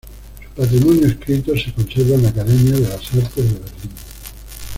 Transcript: Su patrimonio escrito se conserva en la Academia de las Artes de Berlín.